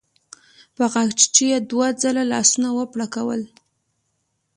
په غاښچيچي يې دوه ځله لاسونه وپړکول.